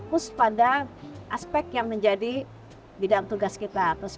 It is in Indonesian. dan terus pengembangkan kemasan paling kemudian pengembangan kemasan yang bicycle menggunakan bluetooth atau bluetooth ke